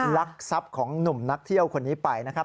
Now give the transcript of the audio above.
ลักทรัพย์ของหนุ่มนักเที่ยวคนนี้ไปนะครับ